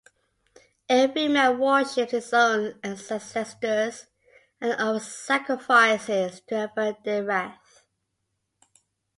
Every man worships his own ancestors and offers sacrifices to avert their wrath.